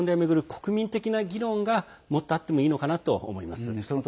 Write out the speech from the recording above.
国民的な議論がもっとあってもいいのかなと思います。